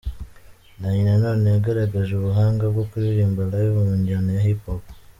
Danny Nanone yagaragaje ubuhanga bwo kuririmba Live mu njyana ya Hip Hop.